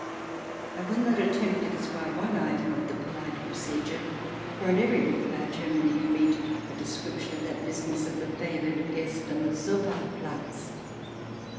I will not attempt to describe one item of the polite procedure, for in every book about Germany you meet a description of that business of the favoured guest and the Sofa Platz.